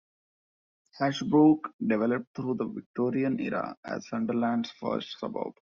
Ashbrooke developed through the Victorian era as Sunderland's first suburb.